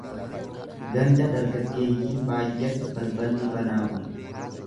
Ganda dargaggeeyyiin baayyatu balballi banaa bula.